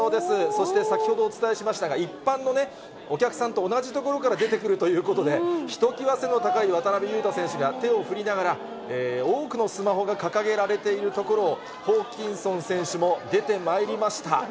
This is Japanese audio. そして先ほどお伝えしましたが、一般のね、お客さんと同じ所から出てくるということで、ひときわ背の高い渡邊雄太選手が手を振りながら、多くのスマホが掲げられているところを、ホーキンソン選手も出てまいりました。